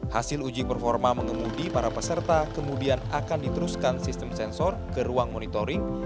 hasil uji performa mengemudi para peserta kemudian akan diteruskan sistem sensor ke ruang monitoring